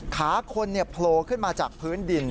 ขาคนโผล่ขึ้นมาจากพื้นดิน